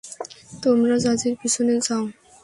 তোমরা জাজির পিছনে যাও।